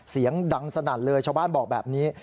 เสียงดังสนั่นเลยชาวบ้านบอกแบบนี้